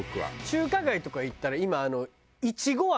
中華街とか行ったら今いちご飴